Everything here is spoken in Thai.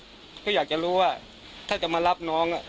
สุดท้ายตัดสินใจเดินทางไปร้องทุกข์กับกองปราบเพื่อให้ดำเนินคดีกับผู้ต้องหาทั้ง๕คน